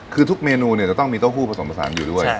คือทุกเมนูเนี่ยจะต้องมีเต้าหู้ผสมผสานอยู่ด้วย